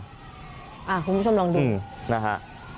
คุณผู้ชมลองดูนะฮะ